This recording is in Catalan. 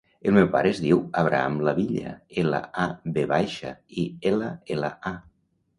El meu pare es diu Abraham Lavilla: ela, a, ve baixa, i, ela, ela, a.